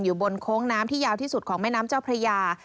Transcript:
อยู่บนโค้งน้ำที่ยาวที่สุดของแม่น้ำเจ้าพระยา